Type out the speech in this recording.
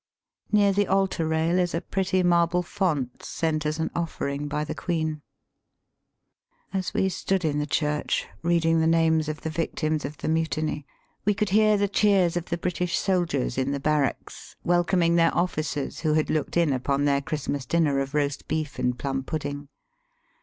Near the altar rail is a pretty marble font sent as an offering by the Queen. Digitized by VjOOQIC CHRISTMAS AT CAWNPORE. 261 As we stood in the church reading the names of the victims of the Mutiny we could liear the cheers of the British soldiers in the l)arracks, welcoming their officers, who had looked in upon their Christmas dinner of roast beef and plum pudding.